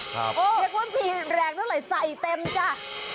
โดยว่าพี่แรงเท่าไหร่ใส่เต็มจ้า